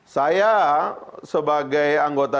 saya sebagai anggota